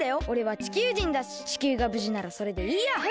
おれは地球人だし地球がぶじならそれでいいや！